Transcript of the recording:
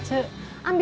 cee edo udah pergi